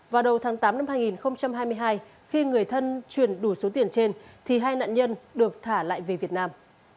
vào đầu tháng tám năm hai nghìn hai mươi hai khi người thân truyền đủ số tiền trên thì hai nạn nhân được thả lại về việt nam